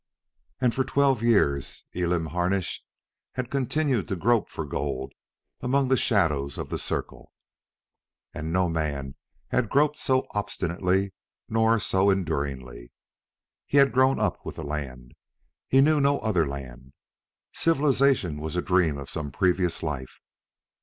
And for twelve years Elam Harnish had continued to grope for gold among the shadows of the Circle. And no man had groped so obstinately nor so enduringly. He had grown up with the land. He knew no other land. Civilization was a dream of some previous life.